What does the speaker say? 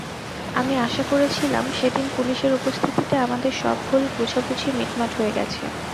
আমি আশা করেছিলাম সেদিন পুলিশের উপস্থিতিতে আমাদের সব ভুল বুঝাবুঝি মিটমাট হয়ে গেছে।